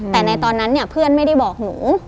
แต่ในตอนนั้นเนี่ยเพื่อนไม่ได้บอกหนู